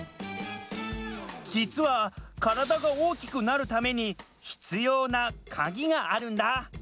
じつはカラダが大きくなるために必要なカギがあるんだ！